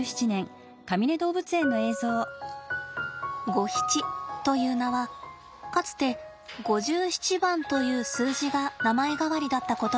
「ゴヒチ」という名はかつて５７番という数字が名前代わりだったことに由来します。